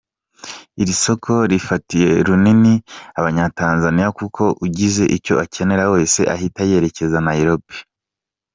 Iri soko rifatiye runini abanyatanzaniya kuko ugize icyo akenera wese ahita yerekeza Nairobi.